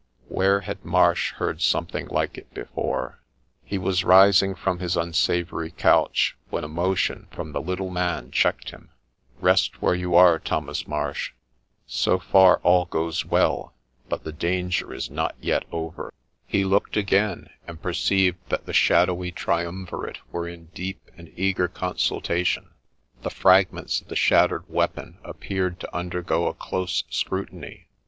Where had Marsh heard something like it before ? He was rising from his unsavoury couch, when a motion from the little man checked him. ' Rest where you are, Thomas Marsh ; so far all goes well, but the danger is not yet over I ' 80 MRS. BOTHERBY'S STORY He looked again, and perceived that the shadowy triumvirate were in deep and eager consultation ; the fragments of the shattered weapon appeared to undergo a close scrutiny.